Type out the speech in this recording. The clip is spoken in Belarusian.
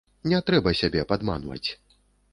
Не трэба сябе падманваць.